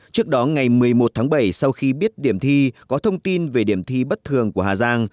trước đó ngày một mươi một tháng bảy sau khi biết điểm thi có thông tin về điểm thi bất thường của hà giang